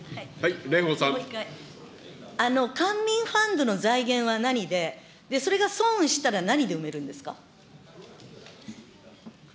官民ファンドの財源は何で、それが損したら何で埋めるんですか。